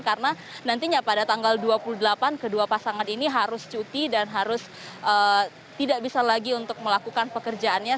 karena nantinya pada tanggal dua puluh delapan kedua pasangan ini harus cuti dan harus tidak bisa lagi untuk melakukan pekerjaannya